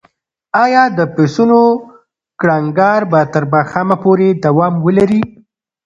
ایا د پسونو کړنګار به تر ماښامه پورې دوام ولري؟